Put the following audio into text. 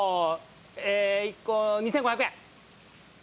１個、２５００円！